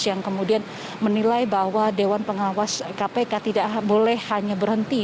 yang kemudian menilai bahwa dewan pengawas kpk tidak boleh hanya berhenti